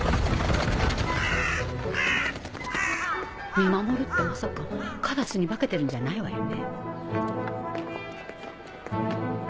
見守るってまさかカラスに化けてるんじゃないわよね。